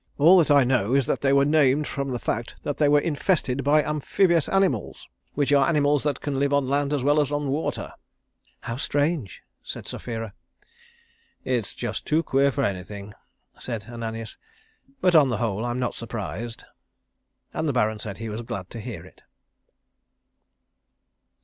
All that I know is that they were named from the fact that they were infested by Amphibious animals, which are animals that can live on land as well as on water." "How strange!" said Sapphira. "It's just too queer for anything," said Ananias, "but on the whole I'm not surprised." And the Baron said he was glad to hear it.